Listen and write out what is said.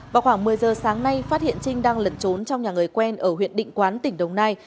vào khoảng một mươi giờ sáng nay phát hiện trinh đang lẩn trốn trong nhà người quen ở huyện định quán tỉnh đồng nai